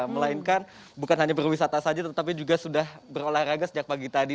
melainkan bukan hanya berwisata saja tetapi juga sudah berolahraga sejak pagi tadi